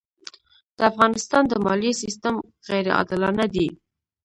د افغانستان د مالیې سېستم غیرې عادلانه دی.